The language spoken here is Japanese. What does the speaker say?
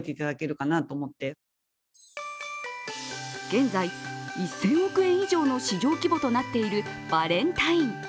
現在、１０００億円以上の市場規模となっているバレンタイン。